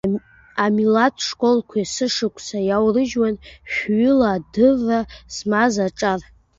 Амилаҭтә школқәа есышықәса иаурыжьуан шәҩыла адырра змаз аҿар.